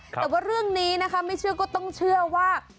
แต่ว่าเรื่องนี้นะคะไม่เชื่อก็ต้องเชื่อว่า